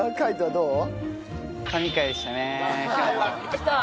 きた！